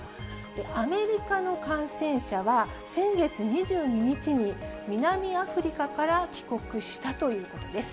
アメリカの感染者は、先月２２日に南アフリカから帰国したということです。